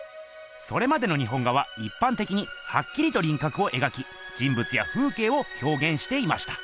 それまでの日本画はいっぱんてきにはっきりとりんかくを描き人ぶつや風けいをひょうげんしていました。